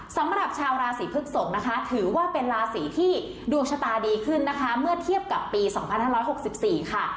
สำหรับชาวราศีพฤกษกนะคะถือว่าเป็นราศีที่ดวงชะตาดีขึ้นนะคะเมื่อเทียบกับปี๒๕๖๔ค่ะ